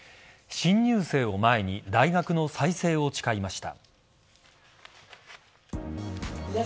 新入生を前に大学の再生を誓いました。